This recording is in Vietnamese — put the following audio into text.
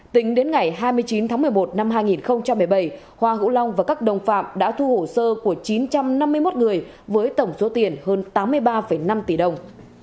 tính đến ngày hai mươi chín tháng một mươi một năm hai nghìn một mươi bảy hoa hữu long và các đồng phạm đã thu hồ sơ của chín trăm năm mươi một người với tổng số tiền hơn tám mươi ba năm tỷ đồng